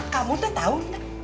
kamu tuh tau gak